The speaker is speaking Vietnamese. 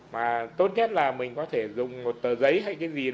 mà tốt nhất là mình có thể dùng một tờ giấy hay cái gì